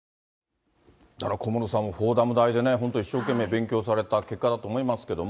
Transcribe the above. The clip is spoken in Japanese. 小室さん、フォーダム大でね、本当、一生懸命勉強された結果だと思いますけれども。